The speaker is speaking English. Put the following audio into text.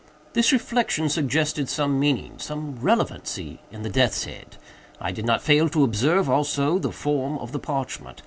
This reflection suggested some meaning—some relevancy—in the death's head. I did not fail to observe, also, the form of the parchment.